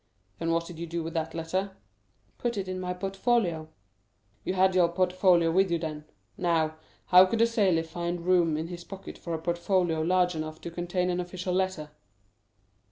"And what did you do with that letter?" "Put it into my portfolio." "You had your portfolio with you, then? Now, how could a sailor find room in his pocket for a portfolio large enough to contain an official letter?"